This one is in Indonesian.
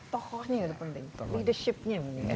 tokohnya yang penting leadershipnya yang penting